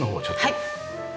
はい。